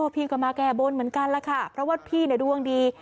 พี่ก็มาแก้บนเหมือนกันล่ะค่ะเพราะว่าพี่เนี่ยดวงดี